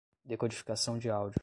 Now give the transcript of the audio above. decodificação de áudio